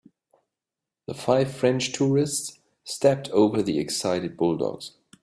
The five French tourists stepped over the excited bulldogs.